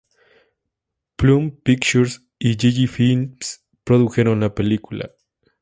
Plum Pictures y Gigi Films produjeron la película.